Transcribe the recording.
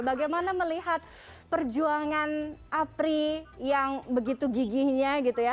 bagaimana melihat perjuangan apri yang begitu gigihnya gitu ya